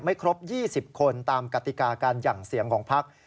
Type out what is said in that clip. ไม่ครบสิบคนตามกรรติกากันยังเสียงของพ็ักษ์